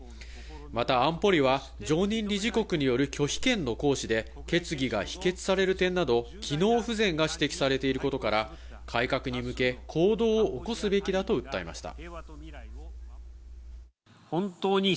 また安保理は常任理事国による拒否権の行使で決議が否決される点など、機能不全が指摘されていることから、改革に向け行動を起こすべきだと訴えました。